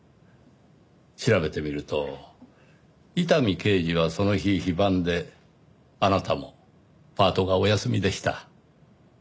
調べてみると伊丹刑事はその日非番であなたもパートがお休みでした。